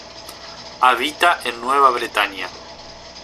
Habita en Nueva Bretaña.